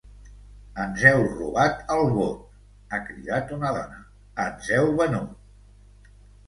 Ens heu robat el vot!’, ha cridat una dona; ‘Ens heu venut!